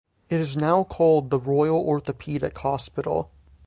It is now called the Royal Orthopaedic Hospital.